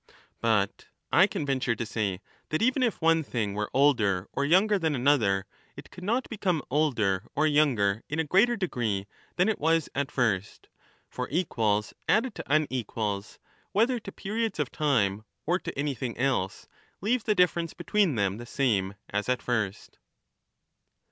But I can venture to say, that even if one thing were older or younger than another, it could not become older or younger in a greater degree than it was at first ; for equals added to unequals, whether to periods of time or to anything else, leave the difference between them the same as at first.